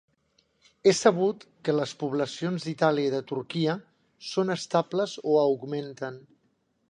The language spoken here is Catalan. És sabut que les poblacions d'Itàlia i de Turquia són estables o augmenten.